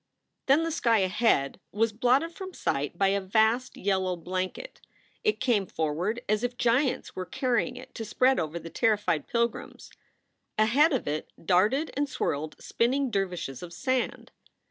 Then the sky ahead was blotted from sight by a vast yel low blanket. It came forward as if giants were carrying it to spread over the terrified pilgrims. Ahead of it darted and swirled spinning dervishes of sand.